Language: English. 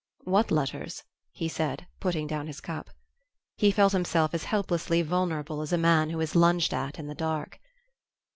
"What letters?" he said, putting down his cup. He felt himself as helplessly vulnerable as a man who is lunged at in the dark.